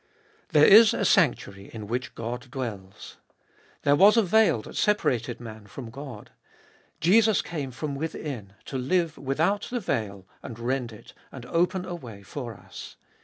1. There Is a sanctuary in which God dwells. There was a veil that separated man from God. Jesus came from within to Hue without the veil, and rend it, and open a way for us.